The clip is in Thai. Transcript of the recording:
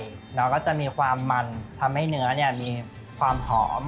แล้วก็จะมีความมันทำให้เนื้อมีความหอม